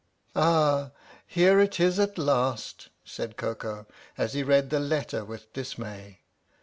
" Ah, here it is at last," said Koko as he read the letter with dismay.